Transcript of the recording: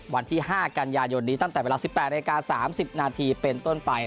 วันที่๕กันยายนนี้ตั้งแต่เวลา๑๘นาที๓๐นาทีเป็นต้นไป